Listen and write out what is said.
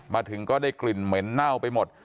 มาถึงก็ได้กลิ่นเหม็นเน่าไปหมด